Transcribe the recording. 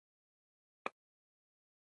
د هغه میتود علمي دی او بې طرفي پکې لیدل کیږي.